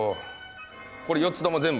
これ４つとも全部？